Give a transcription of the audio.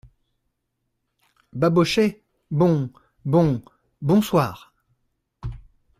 Babochet Bon … bon … bonsoir !